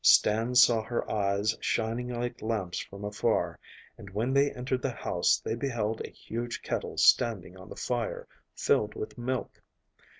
Stan saw her eyes shining like lamps from afar, and when they entered the house they beheld a huge kettle standing on the fire, filled with milk.